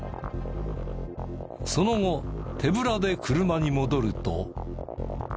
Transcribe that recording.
その後手ぶらで車に戻ると。